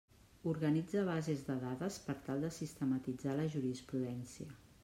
Organitza bases de dades per tal de sistematitzar la jurisprudència.